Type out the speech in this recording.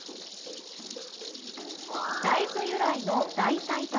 大豆由来の代替卵。